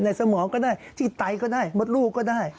สมองก็ได้ที่ไตก็ได้มดลูกก็ได้